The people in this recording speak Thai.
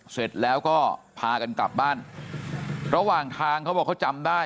เสร็จแล้วก็พากันกลับบ้านระหว่างทางเขาบอกเขาจำได้